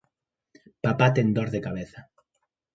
Papá ten dor de cabeza.